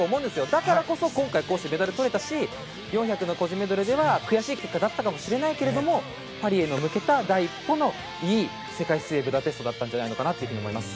だからこそ、今回こうしてメダルをとれたし４００の個人メドレーでは悔しい結果だったかもしれないけどパリへ向けた第一歩の世界水泳ブダペストだったんじゃないかなと思います。